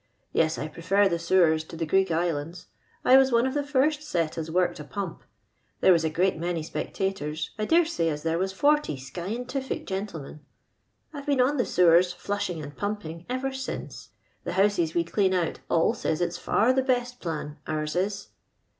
Yes, I prefer tli« sewers to the Greek islands. I was one of il»e first set as worked a pump. There was a groat many spectators ; I dare say as there was 40 skientitic gentlemen. I've been on the sewers, llu>,hing and pumping, ever since. The houses we clean out, all says it's far the l>est pbn, ours is.